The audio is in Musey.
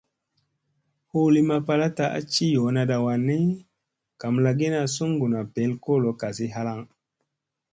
Hu lima palaɗta a ci yoonada wanni gamlagiina suŋguna ɓel kolo kasi halaŋ.